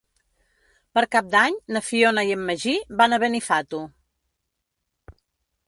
Per Cap d'Any na Fiona i en Magí van a Benifato.